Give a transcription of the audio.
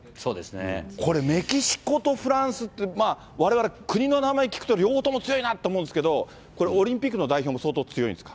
これ、メキシコとフランスって、われわれ、国の名前聞くと両方とも強いなと思うんですけど、これ、オリンピックの代表も相当、強いんですか？